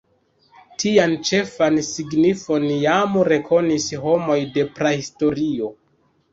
Tian ĉefan signifon jam rekonis homoj de prahistorio.